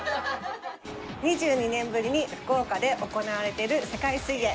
２２年ぶりに福岡で行われている世界水泳。